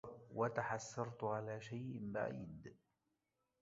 وتحسرت على شئ بعيدْ